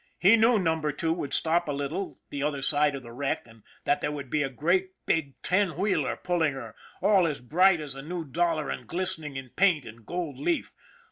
He knew Number Two would stop a little the other side of the wreck, and that there would be a great big ten wheeler pulling her, all as bright as a new dollar and glistening in paint and gold leaf.